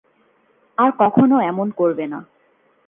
আর কখনও এমন করবে না।